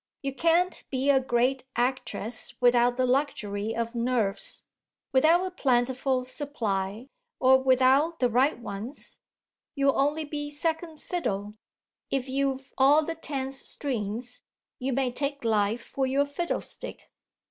You can't be a great actress without the luxury of nerves. Without a plentiful supply or without the right ones you'll only be second fiddle. If you've all the tense strings you may take life for your fiddlestick.